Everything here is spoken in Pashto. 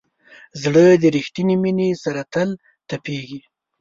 زړه د ریښتینې مینې سره تل تپېږي.